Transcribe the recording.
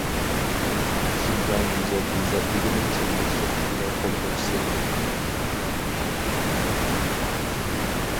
شىنجاڭ گۈزەل يېزا ئىگىلىك چەكلىك شىركىتىنىڭ قۇرغۇچىسى.